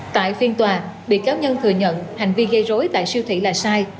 tại phiên tòa bị cáo nhân thừa nhận hành vi gây rối tại siêu thị là sai